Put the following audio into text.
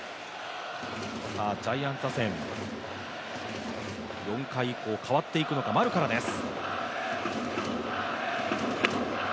ジャイアンツ打線４回以降変わっていくのか丸からです。